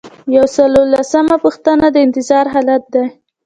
یو سل او لسمه پوښتنه د انتظار حالت دی.